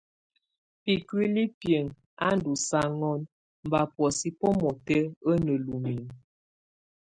Bikúlibiŋ, á ndosaŋon mba buɔ́sɛ bomɔtɛk, a nálumin.